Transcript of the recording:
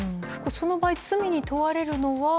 その場合、罪に問われるのは？